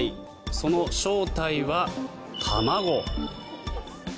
その正体は卵。